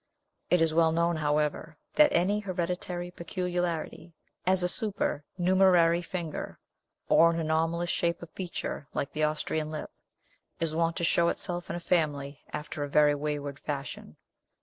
It is well known, however, that any hereditary peculiarity as a supernumerary finger, or an anomalous shape of feature, like the Austrian lip is wont to show itself in a family after a very wayward fashion.